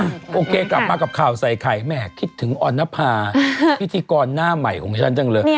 โอเคกลับมากับข่าวใส่ไข่แม่คิดถึงออนภาพิธีกรหน้าใหม่ของฉันจังเลย